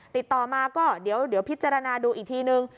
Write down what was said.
ติดต่อมาก็เดี๋ยวพิจารณาดูอีกทีนึง